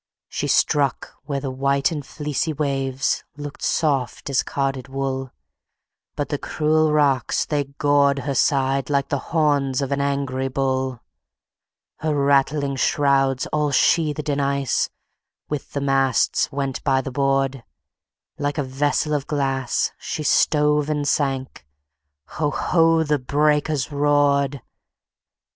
She struck where the white and fleecy waves Looked soft as carded wool, But the cruel rocks, they gored her side Like the horns of an angry bull. Her rattling shrouds, all sheathed in ice, With the masts went by the board; Like a vessel of glass, she stove and sank, Ho! ho! the breakers roared!